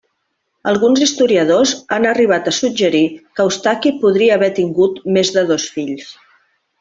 Alguns historiadors han arribat a suggerir que Eustaqui podria haver tingut més de dos fills.